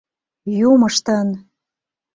Юмыштын?!